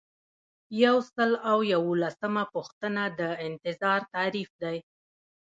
یو سل او یوولسمه پوښتنه د انتظار تعریف دی.